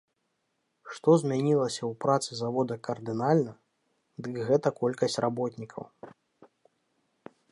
Што змянілася ў працы завода кардынальна, дык гэта колькасць работнікаў.